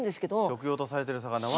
食用とされてる魚は。